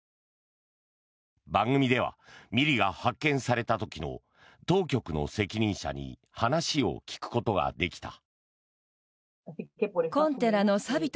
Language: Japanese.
番組ではミリが発見された時の当局の責任者に話を聞くことができた。